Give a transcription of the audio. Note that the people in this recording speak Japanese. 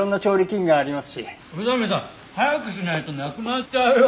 宇佐見さん早くしないとなくなっちゃうよ。